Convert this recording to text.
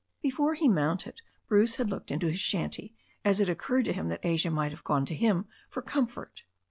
Before he mounted Bruce had looked into his shanty, as it occurred to him that Asia might have gone to him for comfort.